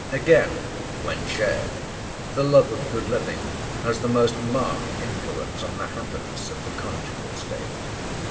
Again, when shared, the love of good living has the most marked influence on the happiness of the conjugal state.